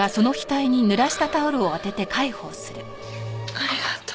ありがとう。